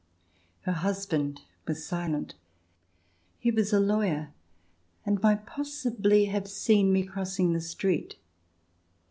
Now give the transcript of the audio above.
Her husband was silent : he was a lawyer, and might possibly have seen me crossing the street.